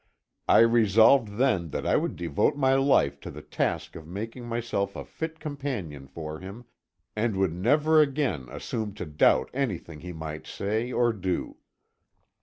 I resolved then that I would devote my life to the task of making myself a fit companion for him, and would never again assume to doubt anything he might say or do.